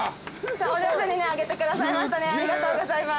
上手にねあげてくださいましたねありがとうございます。